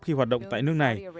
khi hoạt động tại nước này